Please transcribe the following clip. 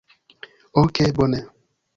Okej, bone.